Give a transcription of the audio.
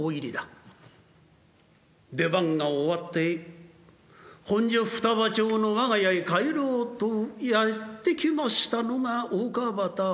出番が終わって本所二葉町の我が家へ帰ろうとやって来ましたのが大川端。